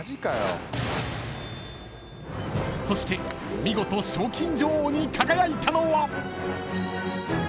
［そして見事賞金女王に輝いたのは］